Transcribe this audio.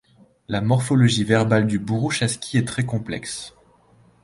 La morphologie verbale du bourouchaski est très complexe.